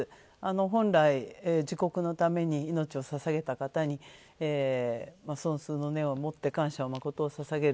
本来、自国のために命をささげた方に尊崇の念を持って感謝のことばをささげる。